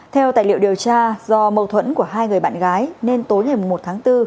theo tài liệu điều tra do mâu thuẫn của hai người bạn gái nên tối ngày một tháng bốn